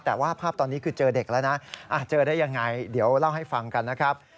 แต่ว่าภาพตอนนี้คือเจอเด็กแล้วนะเจอได้ยังไงเดี๋ยวเล่าให้ฟังกันนะครับ